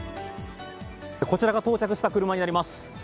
こちらが到着した車になります。